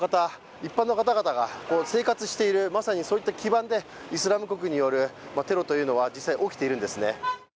一般の方々が生活しているまさにそういった基盤でイスラム国によるテロというのは実際起きているんですね